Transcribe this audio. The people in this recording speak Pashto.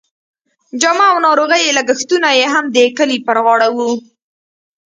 جامه او ناروغۍ لګښتونه یې هم د کلي پر غاړه وو.